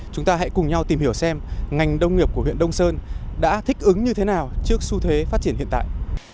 chúng ta hãy cùng nhau tìm hiểu xem ngành nông nghiệp của huyện đông sơn đã thích ứng như thế nào trước xu thế phát triển hiện tại